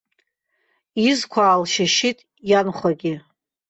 Изқәа аалшьышьит ианхәагьы.